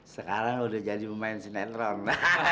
sekarang udah jadi pemain sinetron